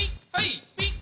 ピッ！